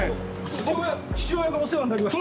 父親父親がお世話になりまして。